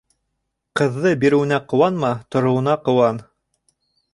Ҡыҙҙы биреүеңә ҡыуанма, тороуына ҡыуан.